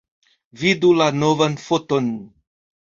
Vidu la novan foton.